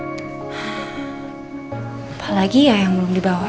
apalagi ya yang belum dibawa